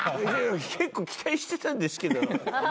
結構期待してたんですけど。